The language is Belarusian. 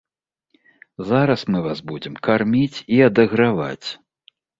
Зараз мы вас будзем карміць і адаграваць.